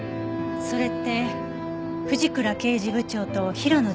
それって藤倉刑事部長と平野巡査みたいな。